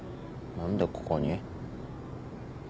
何でここに。